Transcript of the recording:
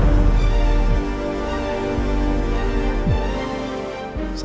apa yang anda lakukan